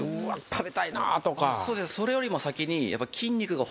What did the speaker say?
それよりも先に。